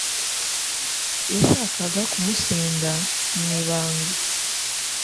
yashakaga kumusenda mu ibanga